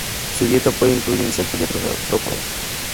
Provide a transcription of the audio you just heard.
Su dieta puede incluir insectos y otros artrópodos.